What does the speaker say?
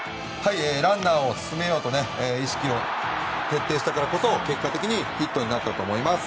ランナーを進めようと意識を徹底したからこそ結果的にヒットになったと思います。